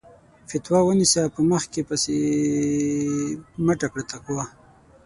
فَتوا ونيسه په مخ کې پسې مٔټه کړه تقوا